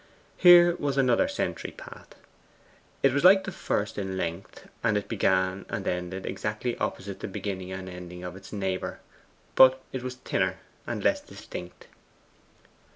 Here was another sentry path. It was like the first in length, and it began and ended exactly opposite the beginning and ending of its neighbour, but it was thinner, and less distinct.